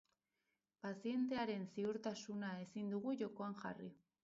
Pazientearen ziurtasuna ezin dugu jokoan jarri.